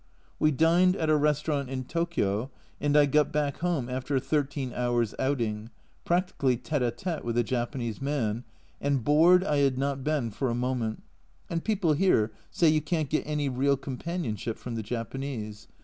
We dined at a restaurant in Tokio, and I got back home after a thirteen hours outing, practically tete a tete with a Japanese man and bored I had not been for a moment, and people here say you can't get any real companionship from the Japanese.